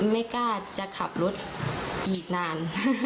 ไม่กล้าจะขับรถอีกนาน